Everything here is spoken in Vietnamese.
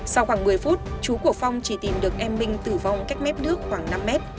sau khoảng một mươi phút chú của phong chỉ tìm được em minh tử vong cách mép nước khoảng năm mét